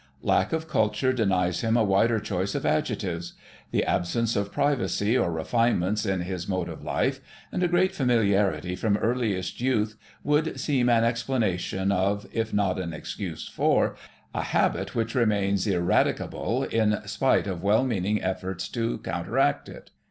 Lack of culture denies him a wider choice of adjectives: the absence of privacy or refinements in his mode of life, and a great familiarity from earliest youth, would seem an explanation of, if not an excuse for, a habit which remains irradicable in spite of well meaning efforts to counteract it.